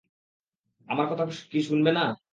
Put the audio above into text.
আমার কথা কি শুনবে না?